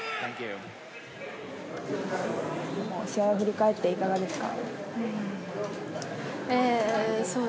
試合を振り返っていかがですか。